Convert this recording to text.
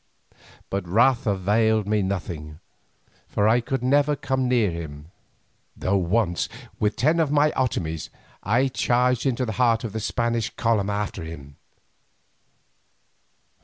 But wrath availed me nothing, for I could never come near him, though once, with ten of my Otomies, I charged into the heart of the Spanish column after him.